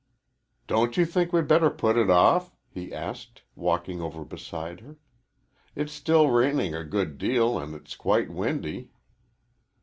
"Don't you think we'd better put it off?" he asked, walking over beside her. "It's still raining a good deal, and it's quite windy."